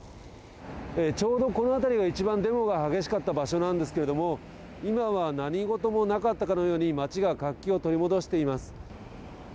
ちょうどこの辺りが一番、デモが激しかった場所なんですけれども、今は何事もなかったかのように、街が活気を取り戻しています。